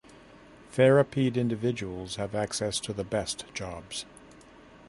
Therapied individuals have access to the best jobs.